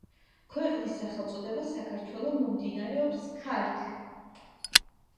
ქვეყნის სახელწოდება „საქართველო“ მომდინარეობს „ქართ“